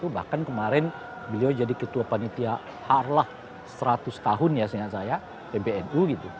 bahkan kemarin beliau jadi ketua panitia harlah seratus tahun ya seingat saya pbnu gitu